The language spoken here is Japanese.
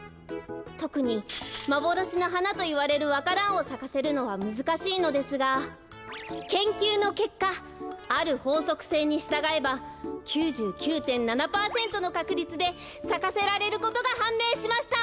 とくにまぼろしのはなといわれるわか蘭をさかせるのはむずかしいのですが研究のけっかあるほうそくせいにしたがえば９９．７パーセントのかくりつでさかせられることがはんめいしました！